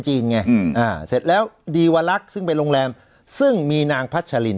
ไงอืมอ่าเสร็จแล้วดีวลักษณ์ซึ่งเป็นโรงแรมซึ่งมีนางพัชลิน